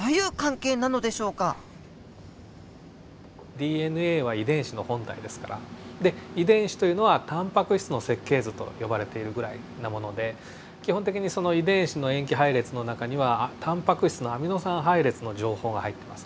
ＤＮＡは遺伝子の本体ですからで遺伝子というのはタンパク質の設計図と呼ばれているぐらいなもので基本的にその遺伝子の塩基配列の中にはタンパク質のアミノ酸配列の情報が入ってます。